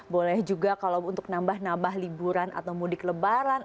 boleh juga kalau untuk nambah nambah liburan atau mudik lebaran